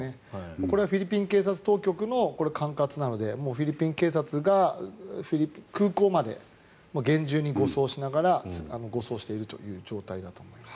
これはフィリピン警察当局の管轄なのでもうフィリピン警察が空港まで厳重に護送しながら護送している状態だと思います。